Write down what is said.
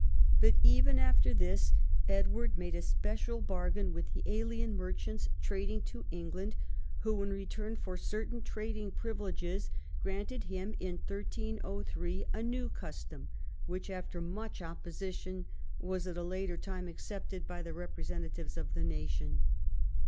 But even after this Edward made a special bargain with the alien mer chants trading to England, who in return for certain trading privileges granted him in 1303 a New Custom, which, after much opposition, was at a later time accepted by the representatives of the nation.